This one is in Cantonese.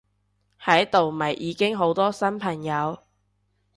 喺度咪已經好多新朋友！